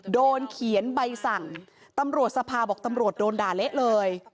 โดนเขียนใบสั่งตำรวจสภาบอกตำรวจโดนด่าเละเลย